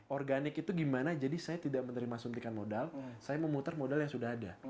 organik itu gimana jadi saya tidak menerima suntikan modal saya memutar modal yang sudah ada